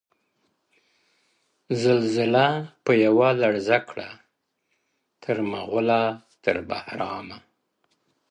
• زلزله په یوه لړزه کړه ـ تر مغوله تر بهرامه ـ